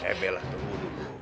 eh bella tunggu dulu